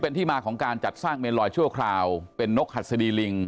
เป็นที่มาของการจัดสร้างเมนลอยชั่วคราวเป็นนกหัสดีลิง